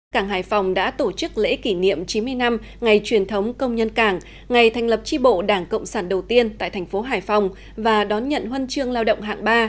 cảng hải phòng đã tổ chức lễ kỷ niệm chín mươi năm ngày truyền thống công nhân cảng ngày thành lập tri bộ đảng cộng sản đầu tiên tại thành phố hải phòng và đón nhận huân chương lao động hạng ba